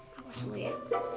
kalos dulu ya